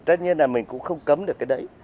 tất nhiên là mình cũng không cấm được cái đấy